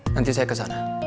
nanti saya kesana